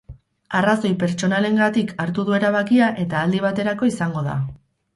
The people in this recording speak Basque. Arrazoi pertsonalengatik hartu du erabakia eta aldi baterako izango da.